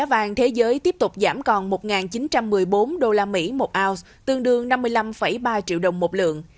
giá vàng thế giới tiếp tục giảm còn một chín trăm một mươi bốn đô la mỹ một ounce tương đương năm mươi năm ba triệu đồng một lượng